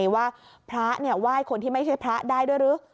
ว่าภรรย์เนี่ยว่าไห้คนที่ไม่ใช่ภรรย์ได้ด้วยหรือ